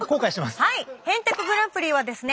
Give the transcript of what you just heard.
「へんてこ★グランプリ」はですね